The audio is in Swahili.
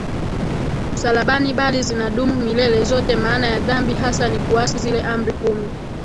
msalabani bali zinadumu milele zote Maana ya dhambi hasa ni kuasi zile amri kumi